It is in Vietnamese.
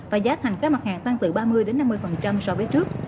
và giá thành các mặt hàng tăng từ ba mươi năm mươi so với trước